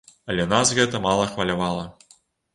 Але нас гэта мала хвалявала.